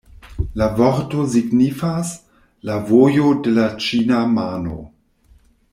La vorto signifas «la vojo de la ĉina mano».